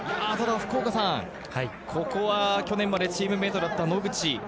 ここは去年までチームメイトだった野口。